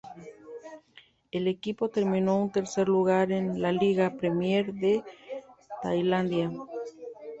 El equipo terminó en tercer lugar en la Liga Premier de Tailandia.